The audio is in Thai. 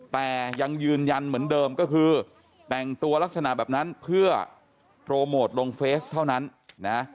แต่ยังยืนยันเหมือนเดิมก็คือแต่งตัวลักษณะแบบนั้นเพื่อโปรโมทลงเฟสเท่านั้นนะ